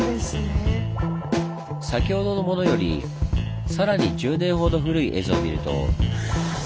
先ほどのものよりさらに１０年ほど古い絵図を見ると。